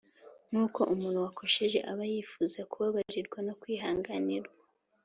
nkuko umuntu wakosheje aba yifuza kubabarirwa no kwihanganirwa